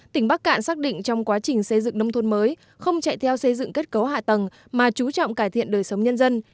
tỉnh bắc cạn xác định trong quá trình xây dựng nông thôn mới không chạy theo xây dựng kết cấu hạ tầng mà chú trọng cải thiện đời sống nhân dân